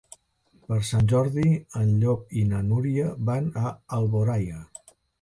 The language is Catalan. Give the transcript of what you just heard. Per Sant Jordi en Llop i na Núria van a Alboraia.